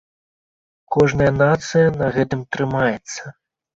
Кожная нацыя на гэтым трымаецца.